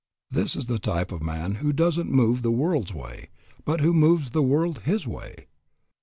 This is the type of man who doesn't move the world's way, but who moves the world his way.